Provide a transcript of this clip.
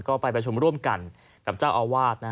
ก็ไปประชุมร่วมกันกับเจ้าอาวาส